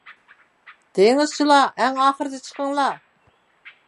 دېڭىزچىلار ئەڭ ئاخىرىدا چىقىڭلار.